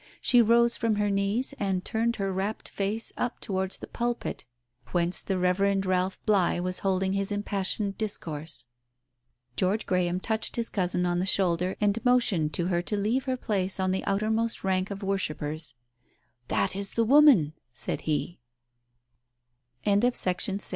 She rose from her knees, and turned her rapt face up towards the pulpit whence the Reverend Ralph Bligh was holding his im passioned discourse. George Graham touched his cousin on the shoulder, and motioned to her to leave her place on the outermost rank of worship